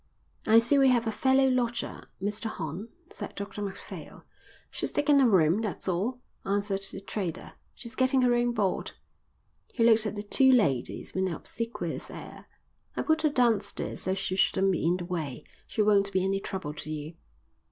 "I see we have a fellow lodger, Mr Horn," said Dr Macphail. "She's taken a room, that's all," answered the trader. "She's getting her own board." He looked at the two ladies with an obsequious air. "I put her downstairs so she shouldn't be in the way. She won't be any trouble to you."